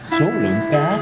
số lượng cá